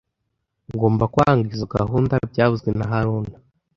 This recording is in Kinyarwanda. Ngomba kwanga izoi gahunda byavuzwe na haruna